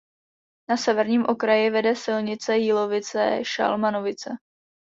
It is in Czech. Na severním okraji vede silnice Jílovice–Šalmanovice.